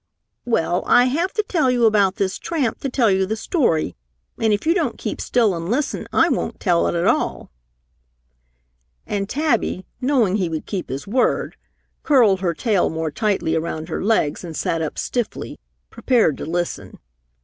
"Well, I have to tell you about this tramp to tell you the story, and if you don't keep still and listen, I won't tell it at all." And Tabby, knowing he would keep his word, curled her tail more tightly around her legs and sat up stiffly, prepared to listen.